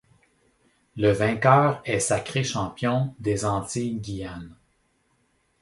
Le vainqueur est sacré champion des Antilles-Guyane.